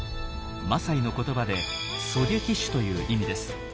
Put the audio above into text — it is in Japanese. マサイの言葉で「狙撃手」という意味です。